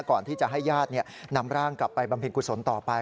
ก่อนที่จะให้ญาตินำร่างกลับไปบำเพ็ญกุศลต่อไป